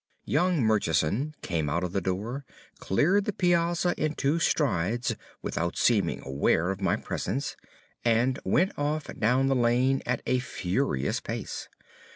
Young Murchison came out of the door, cleared the piazza in two strides without seeming aware of my presence, and went off down the lane at a furious pace.